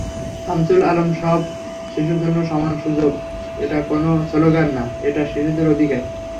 শামসুল আলমসব শিশুর জন্য সমান সুযোগ—এটা কোনো স্লোগান না, এটা শিশুদের অধিকার।